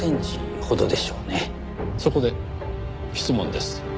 そこで質問です。